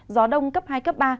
gió đông cấp hai cấp ba